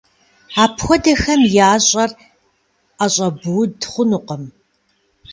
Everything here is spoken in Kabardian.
Апхуэдэхэм ящӏэр ӏэщӏэбууд хъунукъым.